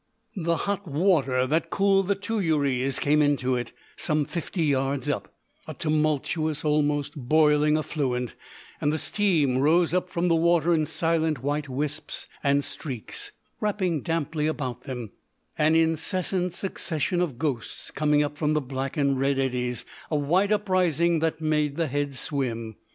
The hot water that cooled the tuyères came into it, some fifty yards up a tumultuous, almost boiling affluent, and the steam rose up from the water in silent white wisps and streaks, wrapping damply about them, an incessant succession of ghosts coming up from the black and red eddies, a white uprising that made the head swim.